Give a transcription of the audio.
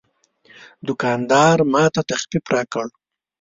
دوکاندار ماته تخفیف راکړ.